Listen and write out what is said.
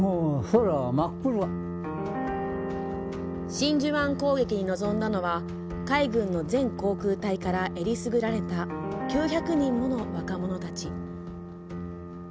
真珠湾攻撃に臨んだのは海軍の全航空隊からえりすぐられた９００人もの若者たち。